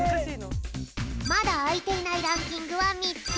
まだあいていないランキングはみっつ。